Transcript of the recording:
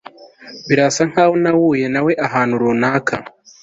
Birasa nkaho nahuye nawe ahantu runaka